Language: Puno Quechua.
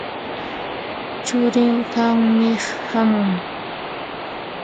Churin k'amiq hamun.